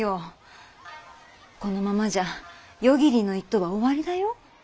このままじゃ夜霧ノ一党は終わりだよ。